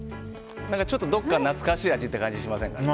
ちょっとどこか懐かしい味って感じしませんか？